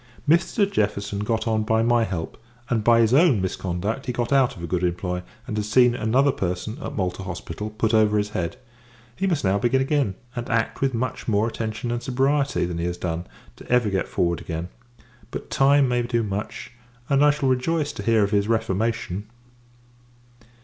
Mr. Jefferson got on, by my help; and, by his own misconduct, he got out of a good employ, and has seen another person, at Malta hospital, put over his head. He must now begin again; and act with much more attention and sobriety, than he has done, to ever get forward again: but, time may do much; and, I shall rejoice to hear of his reformation.